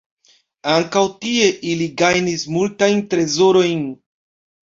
Ankaŭ tie ili gajnis multajn trezorojn.